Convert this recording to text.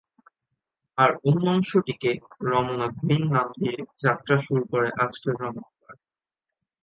আর অন্য অংশটিকে রমনা গ্রিন নাম দিয়ে যাত্রা শুরু করে আজকের রমনা পার্ক।